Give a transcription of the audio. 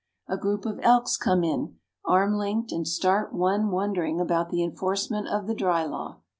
A group of Elks come in, arm linked, and start one wondering about the enforcement of the dry law.